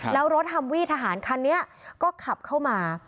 แล้วรถฮัมวี่ทหารคันนี้ก็ขับเข้ามา